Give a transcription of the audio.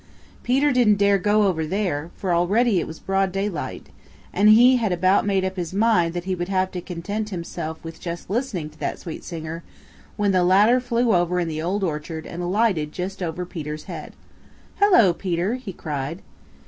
Peter didn't dare go over there, for already it was broad daylight, and he had about made up his mind that he would have to content himself with just listening to that sweet singer when the latter flew over in the Old Orchard and alighted just over Peter's head. "Hello, Peter!" he cried.